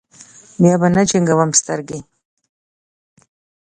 بیا به نه جنګوم سترګې.